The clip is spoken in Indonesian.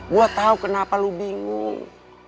gue tahu kenapa lu bingung